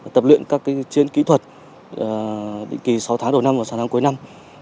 tập luyện các chiến kỹ thuật định kỳ sáu tháng đầu năm và sáu tháng cuối năm